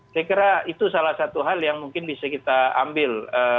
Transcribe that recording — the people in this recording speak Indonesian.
saya kira itu salah satu hal yang mungkin bisa kita ambil